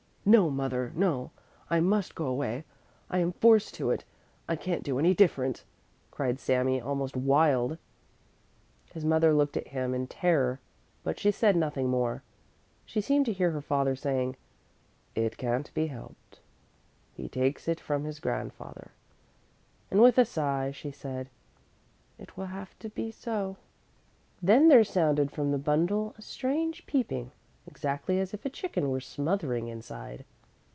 "No, mother, no, I must go away. I am forced to it; I can't do any different," cried Sami, almost wild. His mother looked at him in terror, but she said nothing more. She seemed to hear her father saying: "It can't be helped. He takes it from his grandfather." And with a sigh she said: "It will have to be so." Then there sounded from the bundle a strange peeping, exactly as if a chicken were smothering inside.